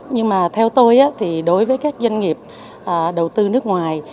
nhưng mà theo tôi thì đối với các doanh nghiệp đầu tư nước ngoài